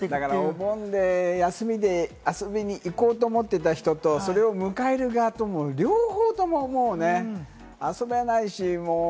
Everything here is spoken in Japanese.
お盆で休みで遊びに行こうと思ってた人と、それを迎える側と両方ともね、遊べないし。